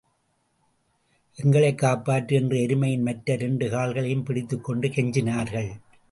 எங்களைக் காப்பாற்று என்று எருமையின் மற்ற இரண்டு கால்களையும் பிடித்துக்கொண்டு கெஞ்சினார்கள்.